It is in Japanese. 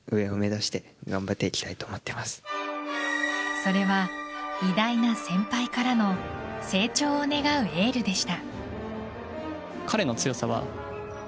それは偉大な先輩からの成長を願うエールでした。